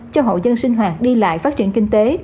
cho hậu dân sinh hoạt đi lại phát triển kinh tế